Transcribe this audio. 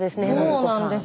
そうなんですよ。